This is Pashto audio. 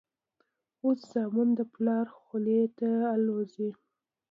اوس زامن د پلار خولې ته الوزي.